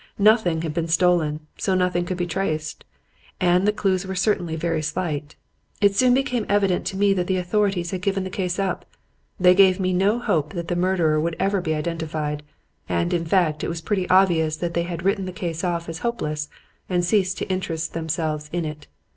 Nothing had been stolen, so nothing could be traced; and the clues were certainly very slight. It soon became evident to me that the authorities had given the case up. They gave me no hope that the murderer would ever be identified; and, in fact, it was pretty obvious that they had written the case off as hopeless and ceased to interest themselves in it.